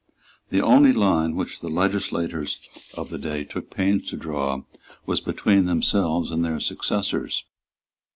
The only line which the legislators of that day took pains to draw was between themselves and their successors.